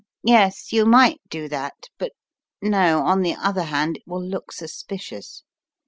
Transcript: "ffmn, yes, you might do that, but no, on the other hand, it will look suspicious.